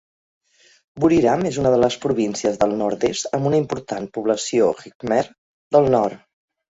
Buriram és una de les províncies del nord-est amb una important població khmer del nord.